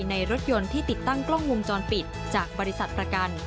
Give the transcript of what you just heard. ในรถยนต์ที่ติดตั้งกล้องวงจรปิดจากบริษัทประกัน